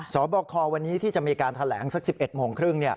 สอบคอวันนี้ที่จะมีการแถลงสัก๑๑โมงครึ่ง